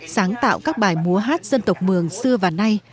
sáng tạo các bài múa hát dân tộc mường xưa và nay